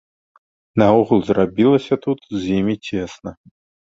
Наогул зрабілася тут з імі цесна.